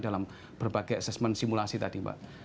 dalam berbagai asesmen simulasi tadi